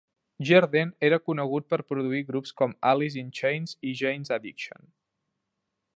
Jerden era conegut per produir grups com Alice in Chains i Jane's Addiction.